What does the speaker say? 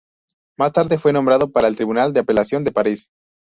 Más tarde fue nombrado para el Tribunal de apelación de París.